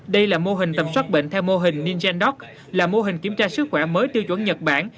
đây là mô hình tầm soát bệnh theo mô hình nigendort là mô hình kiểm tra sức khỏe mới tiêu chuẩn nhật bản